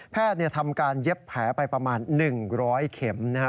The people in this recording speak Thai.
แพทย์ทำการเย็บแผลไปประมาณ๑๐๐เข็มนะฮะ